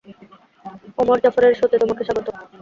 ওমর জাফরের শো তে তোমাকে স্বাগতম।